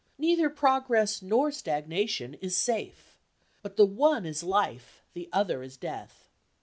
Neither progress nor stagnation is safe; but the one is life, the other is death.